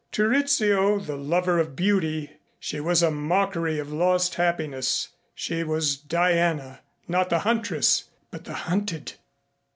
To Rizzio, the lover of beauty, she was a mockery of lost happiness. She was Diana, not the huntress but the hunted.